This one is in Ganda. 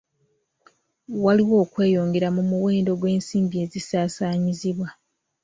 Waliwo okweyongera mu muwendo gw'ensimbi ezisaasaanyizibwa.